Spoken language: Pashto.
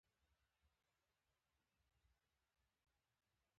افغانستان تر هغو نه ابادیږي، ترڅو د سوال کچکول مات نشي.